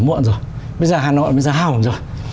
muộn rồi bây giờ hà nội bây giờ hỏng rồi